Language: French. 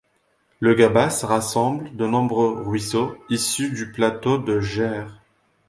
Le Gabas rassemble de nombreux ruisseaux issus du plateau de Ger.